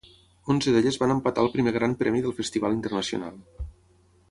Onze d'elles van empatar el primer Gran Premi del Festival Internacional.